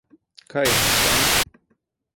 Kaj imaš tam?